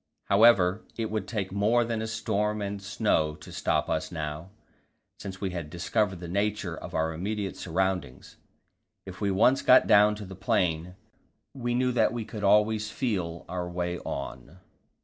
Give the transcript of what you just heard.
However, it would take more than storm and snow to stop us now, since we had discovered the nature of our immediate surroundings; if we once got down to the plain, we knew that we could always feel our way on.